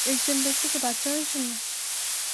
একজন ব্যক্তিকে বাঁচানোর জন্য?